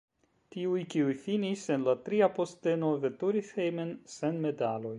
Tiuj, kiuj finis en la tria posteno, veturis hejmen sen medaloj.